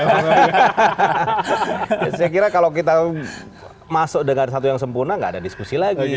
saya kira kalau kita masuk dengan satu yang sempurna gak ada diskusi lagi